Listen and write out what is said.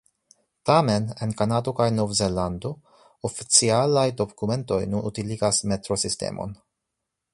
Tamen en Kanado kaj Novzelando, oficialaj dokumentoj nun utiligas metro-sistemon.